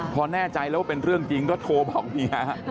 พอแน่ใจแล้วว่าเป็นเรื่องจริงก็โทรบอกเมีย